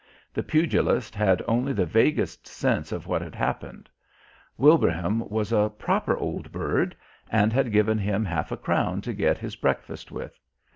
The pugilist had only the vaguest sense of what had happened. Wilbraham was a "proper old bird" and had given him half a crown to get his breakfast with.